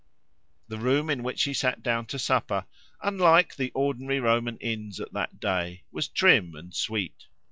The room in which he sat down to supper, unlike the ordinary Roman inns at that day, was trim and sweet.